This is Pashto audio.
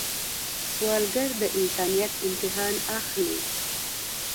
سوالګر د انسانیت امتحان اخلي